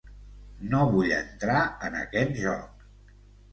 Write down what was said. No vull entrar en aquest joc.